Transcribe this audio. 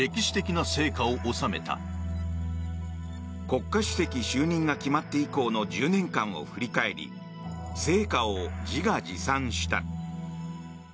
国家主席就任が決まって以降の１０年間を振り返り成果を自画自賛した。